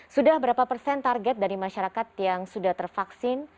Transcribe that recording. sudah berapa persen target dari masyarakat yang sudah tervaksin